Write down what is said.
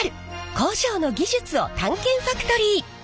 工場の技術を探検ファクトリー！